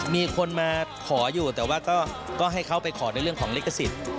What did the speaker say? มีคนมาขออยู่แต่ว่าก็ให้เขาไปขอในเรื่องของลิขสิทธิ์